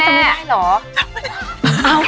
จะไม่ได้เหรอ